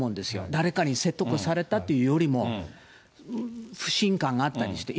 誰かに説得されたというよりも、不信感があったりして。